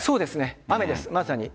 雨です、まさに。